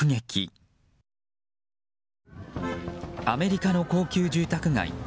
アメリカの高級住宅街